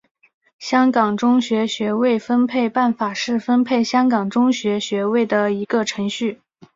香港中学学位分配办法是分配香港中学学位的一个程序。